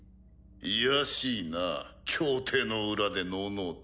卑しいな協定の裏でのうのうと。